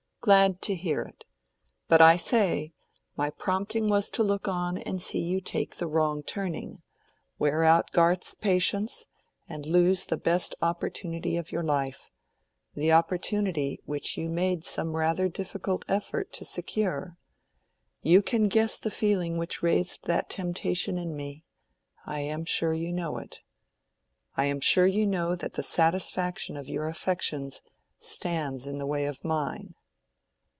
"Glad to hear it. But I say, my prompting was to look on and see you take the wrong turning, wear out Garth's patience, and lose the best opportunity of your life—the opportunity which you made some rather difficult effort to secure. You can guess the feeling which raised that temptation in me—I am sure you know it. I am sure you know that the satisfaction of your affections stands in the way of mine."